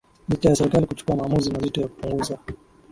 licha ya serikali kuchukua maamuzi mazito ya kupunguza